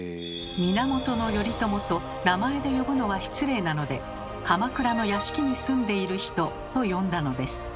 「源頼朝」と名前で呼ぶのは失礼なので「鎌倉の屋敷に住んでいる人」と呼んだのです。